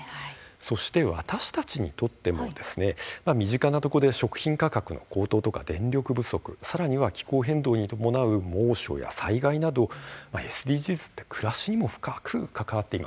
そして、私たちにとっても身近なところで食品価格の高騰とか電力不足さらには気候変動に伴う猛暑や災害などＳＤＧｓって暮らしにも深く関わっていますよね。